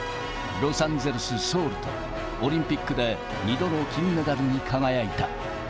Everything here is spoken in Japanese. ロサンゼルス、ソウルと、オリンピックで２度の金メダルに輝いた。